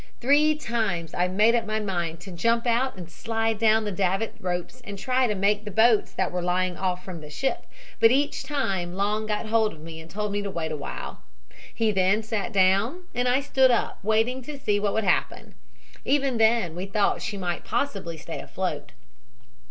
Three times I made up my mind to jump out and slide down the davit ropes and try to make the boats that were lying off from the ship, but each time Long got hold of me and told me to wait a while. He then sat down and I stood up waiting to see what would happen. Even then we thought she might possibly stay afloat.